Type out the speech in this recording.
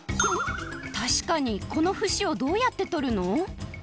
たしかにこのふしをどうやってとるの？